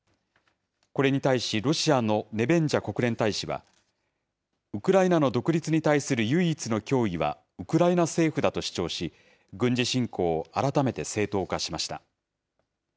これに対しロシアのネベンジャ国連大使は、ウクライナの独立に対する唯一の脅威はウクライナ政府だと主張し、軍事侵攻を改めて正当化しました。